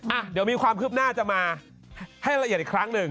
อ่ะเดี๋ยวมีความคืบหน้าจะมาให้ละเอียดอีกครั้งหนึ่ง